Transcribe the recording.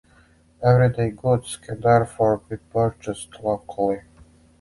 Everyday goods can therefore be purchased locally.